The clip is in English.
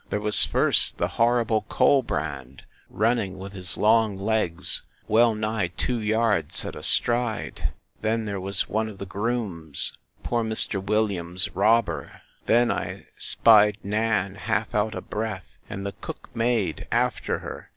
There was first the horrible Colbrand, running with his long legs, well nigh two yards at a stride; then there was one of the grooms, poor Mr. Williams's robber; then I spied Nan, half out of breath, and the cook maid after her!